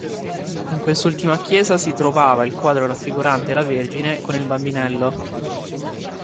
In quest'ultima chiesa si trovava il quadro raffigurante la Vergine con il Bambinello.